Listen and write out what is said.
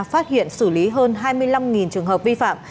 phát hiện xử lý hơn hai mươi năm trường hợp vi phạm